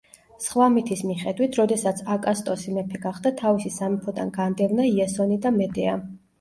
სხვა მითის მიხედვით, როდესაც აკასტოსი მეფე გახდა, თავისი სამეფოდან განდევნა იასონი და მედეა.